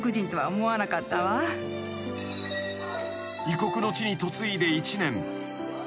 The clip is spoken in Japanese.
［異国の地に嫁いで１年］